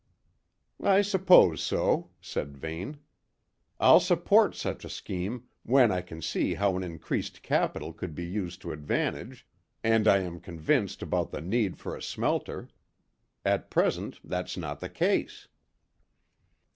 "I suppose so," said Vane. "I'll support such a scheme, when I can see how an increased capital could be used to advantage and I am convinced about the need for a smelter. At present, that's not the case."